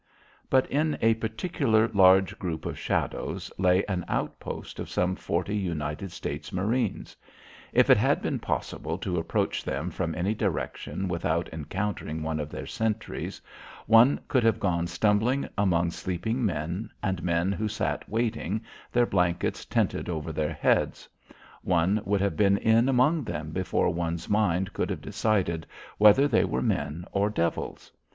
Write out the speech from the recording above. But in a particular large group of shadows lay an outpost of some forty United States marines. If it had been possible to approach them from any direction without encountering one of their sentries, one could have gone stumbling among sleeping men and men who sat waiting, their blankets tented over their heads; one would have been in among them before one's mind could have decided whether they were men or devils.